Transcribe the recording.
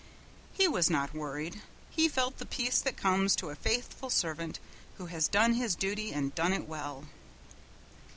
He was not worried. He felt the peace that comes to a faithful servant who has done his duty and done it well.